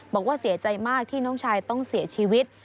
บอกว่าเสียใจมากที่น้องชายต้องเสียชีวิต